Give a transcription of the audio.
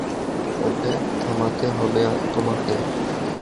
ওকে থামাতে হবে তোমাকে।